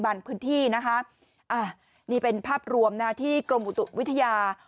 พื้นที่นะคะนี่เป็นภาพรวมนะที่กรมอุตุวิทยา